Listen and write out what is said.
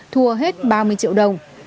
thua hết ba mươi triệu đồng